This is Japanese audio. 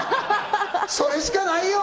それしかないよ